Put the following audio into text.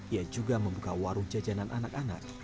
ia juga membuka warung jajanan anak anak